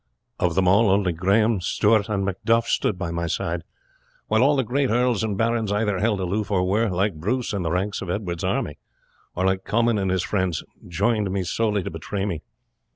Of them all only Grahame, Stewart, and Macduff stood by my side, while all the great earls and barons either held aloof or were, like Bruce, in the ranks of Edward's army, or like Comyn and his friends, joined me solely to betray me.